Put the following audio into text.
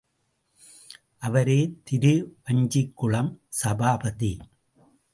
அவரே திருவஞ்சிக்குளம் சபாபதி.